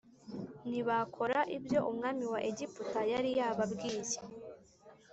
ntibakora ibyo umwami wa Egiputa yari yababwiye